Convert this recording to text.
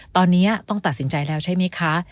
ตอนนี้ต้องตัดสินใจแล้วใช่ไหมคะ